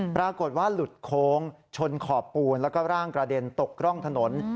ปรากฏว่าหลุดโค้งชนขอบปูนแล้วก็ร่างกระเด็นตกร่องถนน